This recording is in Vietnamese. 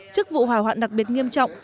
trước vụ hỏa hoạn đặc biệt nghiêm trọng